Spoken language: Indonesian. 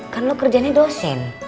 kan lo kerjanya dosen